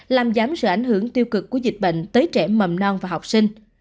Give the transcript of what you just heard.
làm giảm sự ảnh hưởng tiêu cực của dịch bệnh tới trẻ mầm non và học sinh